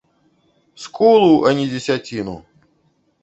Скулу, а не дзесяціну!